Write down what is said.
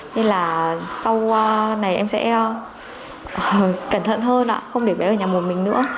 nên là sau này em sẽ cẩn thận hơn ạ không để bé ở nhà một mình nữa